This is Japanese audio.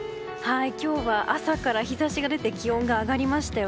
今日は朝から日差しが出て気温が上がりました。